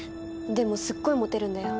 でもすっごいモテるんだよ。